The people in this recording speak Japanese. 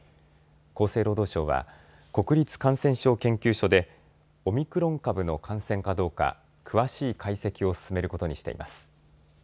厚生労働省は国立感染症研究所でオミクロン株の感染かどうか詳しい解析を進めることにしています。